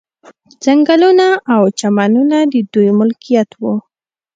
ځنګلونه او چمنونه د دوی ملکیت وو.